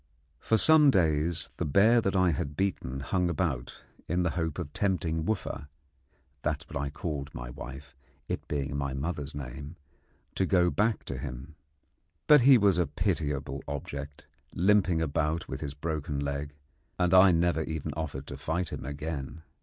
For some days the bear that I had beaten hung about, in the hope of tempting Wooffa (that was what I called my wife, it being my mother's name) to go back to him. But he was a pitiable object, limping about with his broken leg, and I never even offered to fight him again.